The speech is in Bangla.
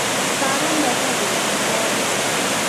দারুণ দেখালে, বব!